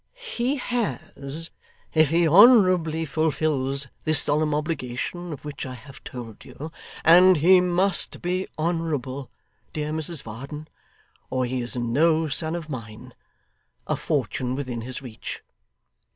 'He has, if he honourably fulfils this solemn obligation of which I have told you and he must be honourable, dear Mrs Varden, or he is no son of mine a fortune within his reach.